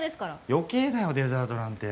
余計だよデザートなんて。